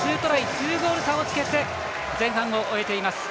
２ゴール差をつけて前半を終えています。